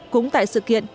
cũng tại sự kiện